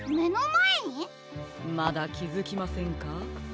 まだきづきませんか？